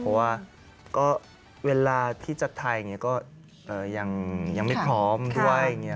เพราะว่าเวลาที่จะถ่ายก็ยังไม่พร้อมด้วย